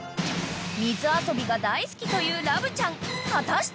［水遊びが大好きというラブちゃん果たして？］